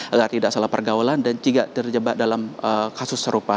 agar tidak salah pergaulan dan juga terjebak dalam kasus serupa